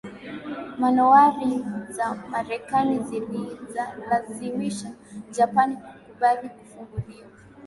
manowari za Marekani ziliilazimisha Japani kukubali kufunguliwa